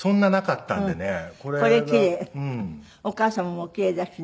お母様もお奇麗だしね。